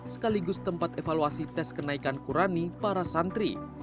sekaligus tempat evaluasi tes kenaikan kurani para santri